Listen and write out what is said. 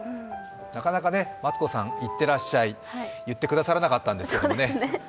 なかなかマツコさんいってらっしゃいを言ってくださらなかったんですけどね。